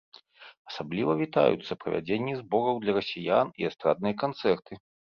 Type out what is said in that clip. Асабліва вітаюцца правядзенні збораў для расіян і эстрадныя канцэрты.